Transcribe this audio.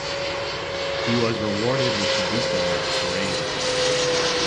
He was rewarded with the dukedom of Touraine for it.